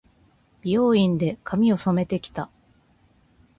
美容院で、髪を染めて来た。